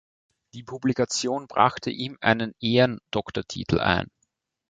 Die Publikation brachte ihm einen Ehrendoktortitel ein.